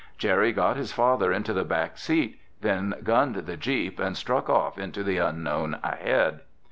Jerry got his father into the back seat, then gunned the jeep and struck off into the unknown ahead.